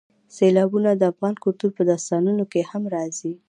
سیلابونه د افغان کلتور په داستانونو کې هم راځي.